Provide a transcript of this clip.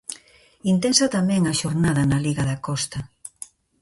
Intensa tamén a xornada na liga da Costa.